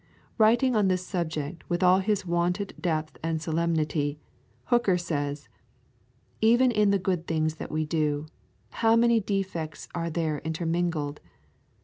Writing on this subject with all his wonted depth and solemnity, Hooker says, 'Even in the good things that we do, how many defects are there intermingled!